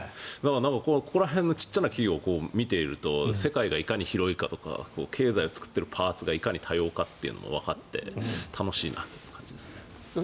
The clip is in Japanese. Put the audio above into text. ここら辺の小さな企業を見ていると世界がいかに大きいか経済を作っているパーツがいかに多様化というのがわかって楽しいなという感じですね。